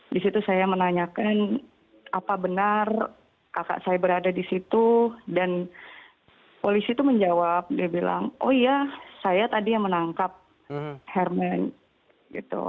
disitu saya menanyakan apa benar kakak saya berada disitu dan polisi itu menjawab dia bilang oh iya saya tadi yang menangkap herman gitu